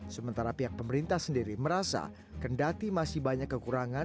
sementara pihak pemerintah sendiri merasa kendati masih banyak kekurangan